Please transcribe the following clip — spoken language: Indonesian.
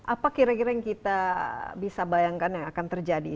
apa kira kira yang kita bisa bayangkan yang akan terjadi